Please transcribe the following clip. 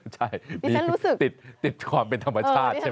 ใช่มีติดความเป็นธรรมชาติใช่ไหม